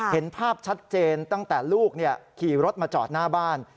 เห็นภาพชัดเจนตั้งแต่ลูกขี่รถมาจอดหน้าบ้าน